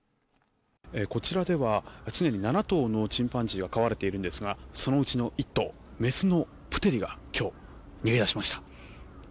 こちらでは常に７頭のチンパンジーが飼われているんですがそのうちの１頭、メスのプテリが今日、逃げ出しました。